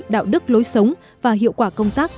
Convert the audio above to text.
đạo đức lối sống và hiệu quả công tác